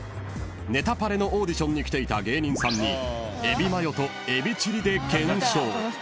［『ネタパレ』のオーディションに来ていた芸人さんにエビマヨとエビチリで検証］